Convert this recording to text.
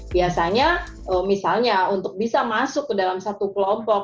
biasanya misalnya untuk bisa masuk ke dalam satu kelompok